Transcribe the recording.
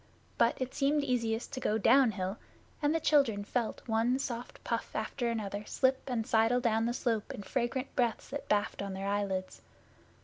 But it seemed easiest to go downhill, and the children felt one soft puff after another slip and sidle down the slope in fragrant breaths that baffed on their eyelids.